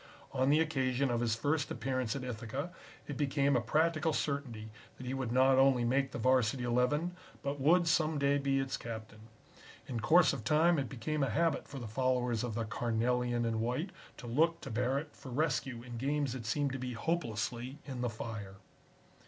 On the occasion of his first appearance at Ithaca it became a practical certainty that he would not only make the Varsity Eleven, but would some day be its captain. In course of time it became a habit for the followers of the Carnelian and White to look to Barrett for rescue in games that seemed to be hopelessly in the fire.